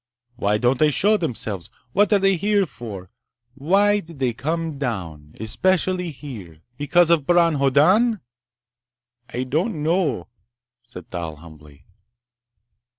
Why don't they show themselves? What are they here for? Why did they come down—especially here? Because of Bron Hoddan?" "I don't know," said Thal humbly.